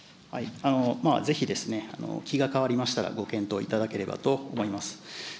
ぜひ、気が変わりましたら、ご検討いただければと思います。